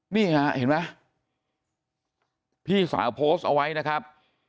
นี้เห็นไหมภาพโพสเอาไว้นะครับ